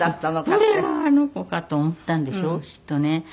これがあの子かと思ったんでしょうきっとね。